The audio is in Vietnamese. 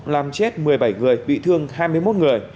làm chết một mươi bảy người bị thương hai mươi một người